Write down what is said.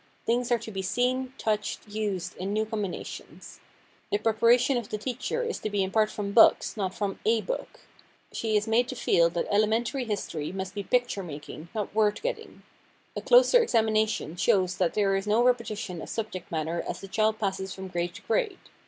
Things are to be seen, touched, used in new combinations. The preparation of the teacher is to be in part from books, not from a book. She is made to feel that elementary history must be picture making, not word getting. A closer examination shows that there is no repetition of subject matter as the child passes from grade to grade.